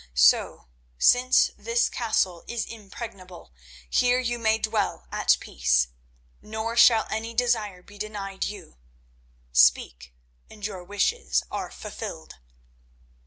So, since this castle is impregnable, here you may dwell at peace, nor shall any desire be denied you. Speak, and your wishes are fulfilled."